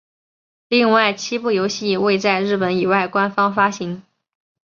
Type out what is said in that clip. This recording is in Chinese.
另外七部游戏未在日本以外官方发行。